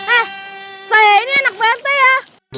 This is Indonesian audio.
eh saya ini anak bante ya